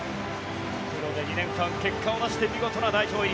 プロで２年間結果を出して代表入り。